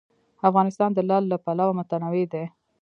افغانستان د لعل له پلوه متنوع دی.